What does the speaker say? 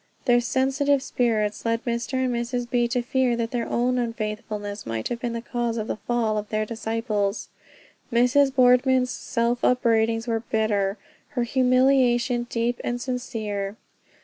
Their sensitive spirits led Mr. and Mrs. B. to fear that their own unfaithfulness might have been the cause of the fall of their disciples. Mrs. Boardman's self upbraidings were bitter; her humiliation deep and sincere.